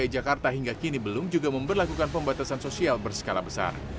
di jalan asia afrika di skala besar